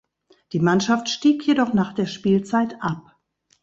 Die Mannschaft stieg jedoch nach der Spielzeit ab.